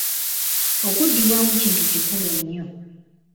Okuddibwamu kintu kikulu nnyo.